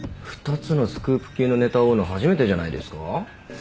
２つのスクープ級のネタ追うの初めてじゃないですか？